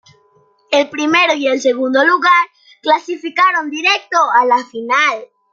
El primero y el segundo lugar clasificaron directo a la final.